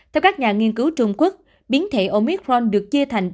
theo các nhà nghiên cứu trung quốc biến thể omitron được chia thành